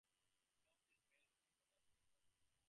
From this marriage two daughters were born.